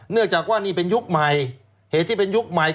เนื่องจากว่านี่เป็นยุคใหม่เหตุที่เป็นยุคใหม่